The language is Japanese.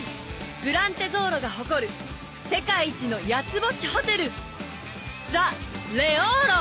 グラン・テゾーロが誇る世界一の八つ星ホテルＴＨＥＲＥＯＲＯ！